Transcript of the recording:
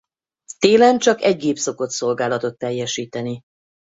Télen csak egy gép szokott szolgálatot teljesíteni.